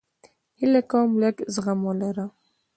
هیله کوم لږ زغم ولره